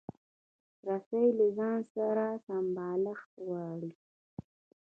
رسۍ له ځان سره سمبالښت غواړي.